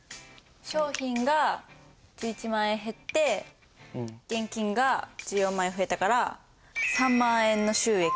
商品が１１万円減って現金が１４万円増えたから３万円の収益。